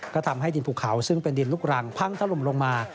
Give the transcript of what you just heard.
ก็ทำให้ดินภูเขาซึ่งเป็นดินลูกรังพังถล่มลงมา